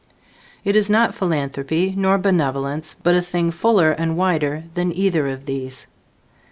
It is not philanthropy nor benevolence, but a thing fuller and wider than either of these.